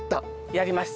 やります